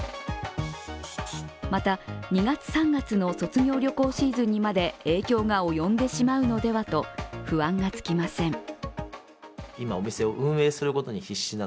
また２月、３月の卒業旅行シーズンにまで影響が及んでしまうのではと不安がつきません。